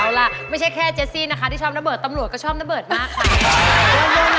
เอาล่ะไม่ใช่แค่เจสซี่นะคะที่ชอบระเบิดตำรวจก็ชอบระเบิดมากค่ะ